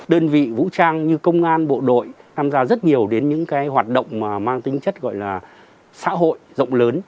đơn vị vũ trang như công an bộ đội tham gia rất nhiều đến những cái hoạt động mà mang tính chất gọi là xã hội rộng lớn